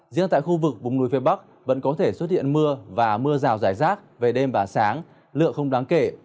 riêng tại khu vực vùng núi phía bắc vẫn có thể xuất hiện mưa và mưa rào rải rác về đêm và sáng lượng không đáng kể